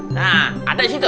nah ada di situ